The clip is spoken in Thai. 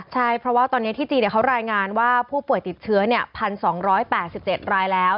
ใช่เพราะว่าตอนนี้ที่จีนเขารายงานว่าผู้ป่วยติดเชื้อ๑๒๘๗รายแล้ว